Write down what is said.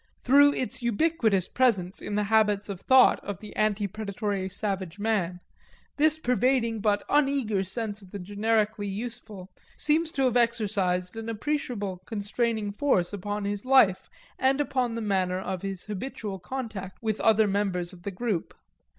Through its ubiquitous presence in the habits of thought of the ante predatory savage man, this pervading but uneager sense of the generically useful seems to have exercised an appreciable constraining force upon his life and upon the manner of his habitual contact with other members of the group.